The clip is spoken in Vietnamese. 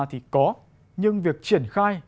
thì có nhưng việc triển khai